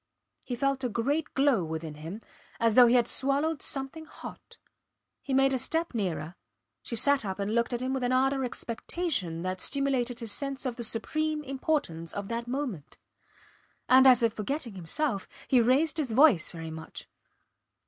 He felt a great glow within him, as though he had swallowed something hot. He made a step nearer. She sat up and looked at him with an ardour of expectation that stimulated his sense of the supreme importance of that moment. And as if forgetting himself he raised his voice very much.